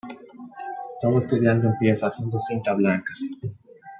Todo estudiante empieza siendo cinta blanca.